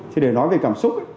thì để nói về cảm xúc